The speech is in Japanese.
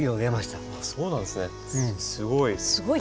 すごい。